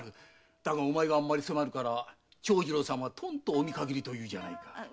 だがお前があんまり迫るから長次郎さんはとんとお見限りとか。